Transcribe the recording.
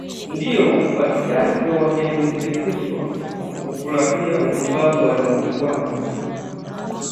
Ndiyo! Wasiachwe wakiendekezwa kwa kuufurahia upumbavu wanaoufanya